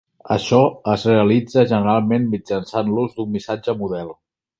Això es realitza generalment mitjançant l'ús d'un missatge model.